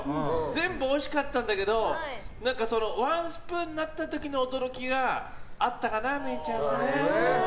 全部おいしかったんだけどワンスプーンになった時の驚きがあったかな愛以ちゃんはね。